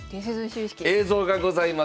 映像がございます。